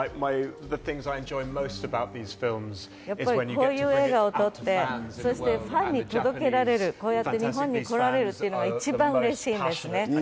こういう映画を撮って、そしてファンに届けられる、日本に来られるというのは一番嬉しいんですね。